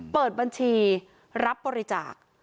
เปิดบัญชีรับบริจาค